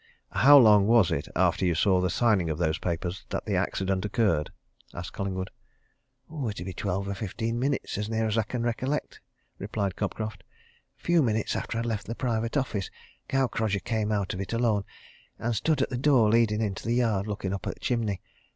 "How long was it after you saw the signing of those papers that the accident occurred?" asked Collingwood. "It 'ud be twelve or fifteen minutes, as near as I can recollect," replied Cobcroft. "A few minutes after I'd left the private office, Gaukrodger came out of it, alone, and stood at the door leading into the yard, looking up at the chimney.